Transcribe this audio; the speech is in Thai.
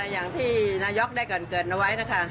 อย่างที่นายกได้เกิดเอาไว้นะคะ